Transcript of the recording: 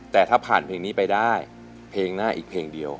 แต่ถ้าผ่านเพลงนี้ไปได้เพลงหน้าอีกเพลงเดียว